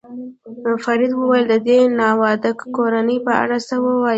فرید وویل: د دې ناواده کورنۍ په اړه څه وایې؟